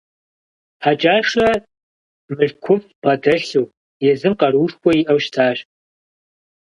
Хьэкӏашэ мылъкуфӏ бгъэдэлъу, езым къаруушхуэ иӏэу щытащ.